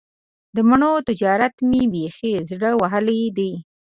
د مڼو تجارت مې بیخي زړه وهلی دی.